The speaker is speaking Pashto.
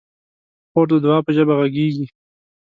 خور د دعا په ژبه غږېږي.